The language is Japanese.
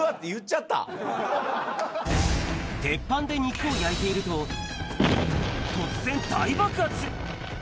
鉄板で肉を焼いていると、突然、大爆発。